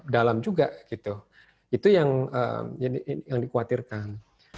dalam juga gitu itu yang dikhawatirkan